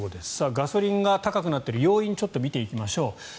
ガソリンが高くなっている要因を見ていきましょう。